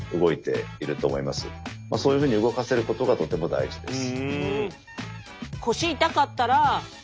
そういうふうに動かせることがとても大事です。